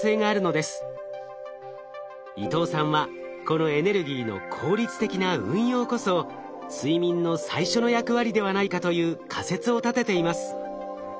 伊藤さんはこのエネルギーの効率的な運用こそ睡眠の最初の役割ではないかという仮説を立てています。